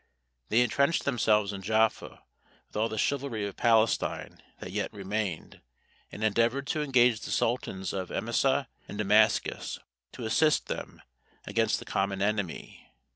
They entrenched themselves in Jaffa with all the chivalry of Palestine that yet remained, and endeavoured to engage the sultans of Emissa and Damascus to assist them against the common enemy.